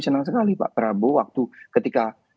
senang sekali pak prabowo waktu ketika